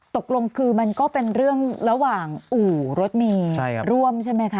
ตกลงคือมันก็เป็นเรื่องระหว่างอู่รถเมย์ร่วมใช่ไหมคะ